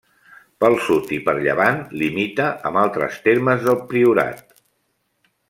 Pel sud i per llevant limita amb altres termes del Priorat: